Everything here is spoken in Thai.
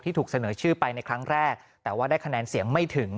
ถูกเสนอชื่อไปในครั้งแรกแต่ว่าได้คะแนนเสียงไม่ถึง